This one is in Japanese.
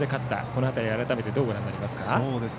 この辺り改めてどうご覧になりますか。